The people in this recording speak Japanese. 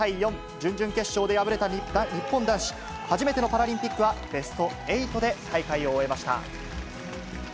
準々決勝で敗れた日本男子、初めてのパラリンピックはベスト８で大会を終えました。